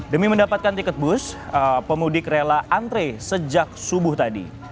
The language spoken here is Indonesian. demi mendapatkan tiket bus pemudik rela antre sejak subuh tadi